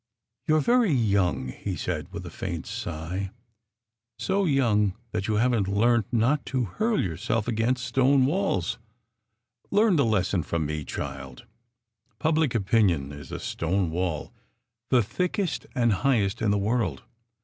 "You re very young!" he said, with a faint sigh. "So young that you haven t learnt not to hurl yourself against 282 SECRET HISTORY stone walls. Learn the lesson from me, child. Public opinion is a stone wall, the thickest and highest in the world.